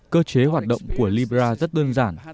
cơ chế hoạt động của libra rất đơn giản